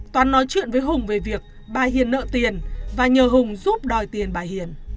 toán nói chuyện với hùng về việc bà hiền nợ tiền và nhờ hùng giúp đòi tiền bà hiền